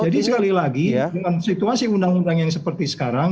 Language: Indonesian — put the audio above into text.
jadi sekali lagi dengan situasi undang undang yang seperti sekarang